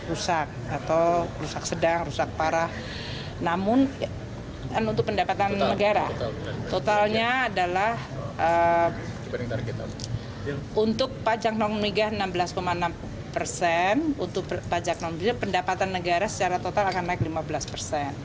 untuk pendapatan negara totalnya adalah untuk pajak nomiga enam belas enam persen untuk pajak nomiga pendapatan negara secara total akan naik lima belas persen